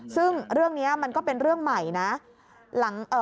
ซึ่งเรื่องนี้มันก็เป็นเรื่องใหม่นะ